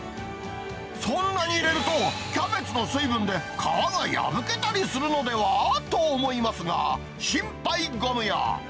そんなに入れると、キャベツの水分で皮が破けたりするのでは？と思いますが、心配ご無用。